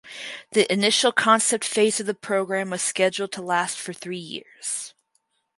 The initial concept phase of the programme was scheduled to last for three years.